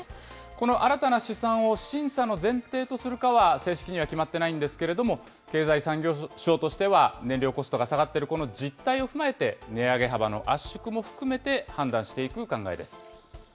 この新たな試算を審査の前提とするかは、正式には決まっていないんですけれども、経済産業省としては、燃料コストが下がっている実態を踏まえて、値上げ幅の圧縮も含めて、判断していく考えです。